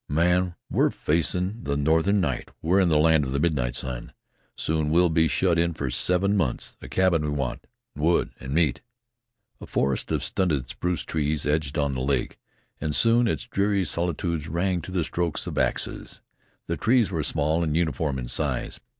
"Man, we're facin' the northern night; we're in the land of the midnight sun. Soon we'll be shut in for seven months. A cabin we want, an' wood, an' meat." A forest of stunted spruce trees edged on the lake, and soon its dreary solitudes rang to the strokes of axes. The trees were small and uniform in size.